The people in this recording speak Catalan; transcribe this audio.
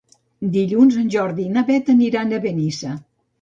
Dilluns en Jordi i na Beth aniran a Benissa.